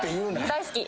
大好き。